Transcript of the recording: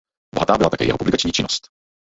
Bohatá byla také jeho publikační činnost.